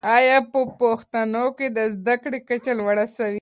آیا په پښتنو کي د زده کړې کچه لوړه سوې؟